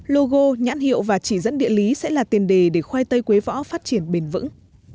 logo nhãn hiệu và chỉ dẫn địa lý sẽ là tiền đề để khoai tây quế võ phát triển bền vững